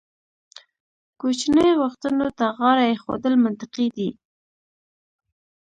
کوچنۍ غوښتنو ته غاړه ایښودل منطقي دي.